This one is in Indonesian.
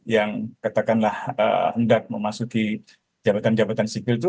yang katakanlah hendak memasuki jabatan jabatan sipil itu